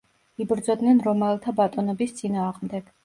იბრძოდნენ რომაელთა ბატონობის წინააღმდეგ.